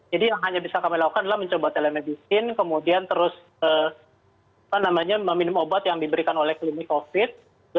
jadi yang hanya bisa kami lakukan adalah mencoba telemedicine kemudian terus apa namanya meminum obat yang diberikan oleh klinik covid